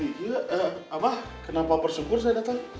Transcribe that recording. eh apa kenapa bersyukur saya datang